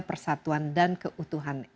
persatuan dan keutuhan